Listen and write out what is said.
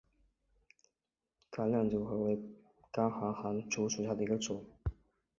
亮竿竹为禾本科井冈寒竹属下的一个种。